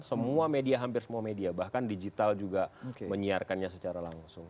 semua media hampir semua media bahkan digital juga menyiarkannya secara langsung